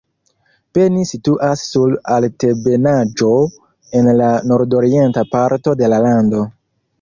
Beni situas sur altebenaĵo en la nordorienta parto de la lando.